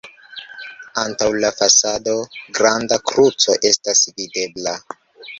Antaŭ la fasado granda kruco estas videbla.